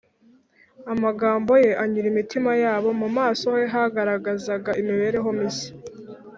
Amagambo ye anyura imitima yabo. Mu maso he hagaragarazaga imibereho mishya